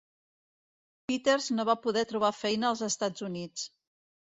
Peters no va poder trobar feina als Estats Units.